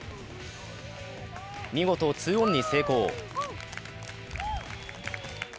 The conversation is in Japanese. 見事ツーオンに成功。